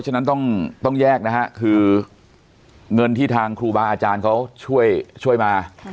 ฉะนั้นต้องแยกนะฮะคือเงินที่ทางครูบาอาจารย์เขาช่วยมา